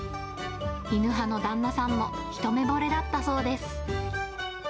犬派の旦那さんも一目ぼれだったそうです。